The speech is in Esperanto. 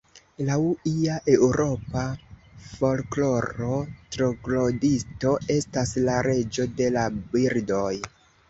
Laŭ ia eŭropa folkloro, troglodito estas la Reĝo de la Birdoj.